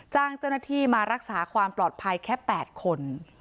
จ้างเจ้าหน้าที่มารักษาความปลอดภัยแค่๘คน